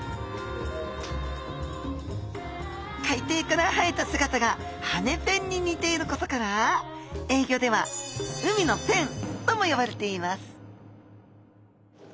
海底から生えた姿が羽根ペンににていることから英ギョでは海のペンとも呼ばれています